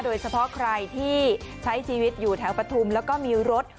โดยเฉพาะใครที่ใช้ชีวิตอยู่แถวปฐุมแล้วก็มีรถ